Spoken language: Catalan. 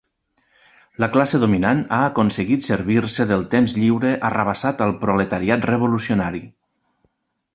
La classe dominant ha aconseguit servir-se del temps lliure arrabassat al proletariat revolucionari.